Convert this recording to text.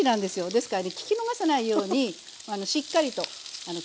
ですからね聞き逃さないようにしっかりと聞いて下さい。